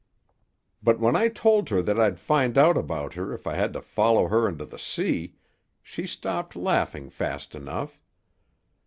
But when I told her that I'd find out about her if I had to follow her into the sea, she stopped laughing fast enough.